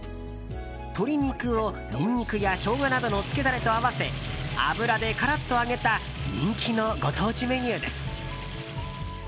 鶏肉をニンニクやショウガなどの漬けダレと合わせ油でカラッと揚げた人気のご当地メニューです。